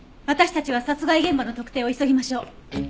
私たちは殺害現場の特定を急ぎましょう。